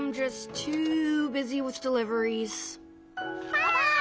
バイバイ！